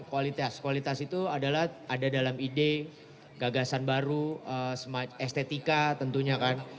kualitas kualitas itu adalah ada dalam ide gagasan baru estetika tentunya kan